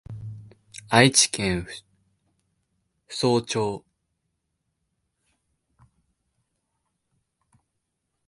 愛知県扶桑町